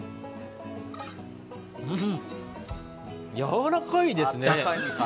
うん、やわらかいですね。